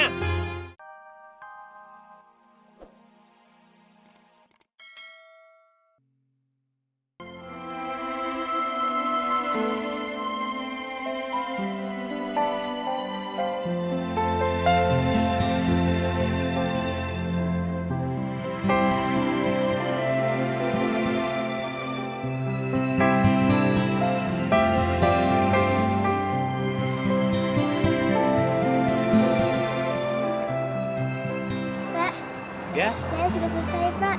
pak saya sudah selesai pak